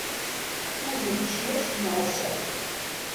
Ur nečči acemma ass-a.